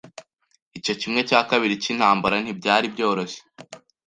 Icyo kimwe cya kabiri cyintambara ntibyari byoroshye.